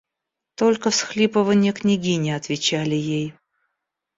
Только всхлипыванья княгини отвечали ей.